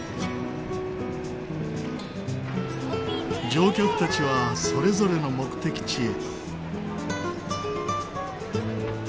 乗客たちはそれぞれの目的地へ。